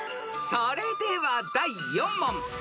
［それでは第４問］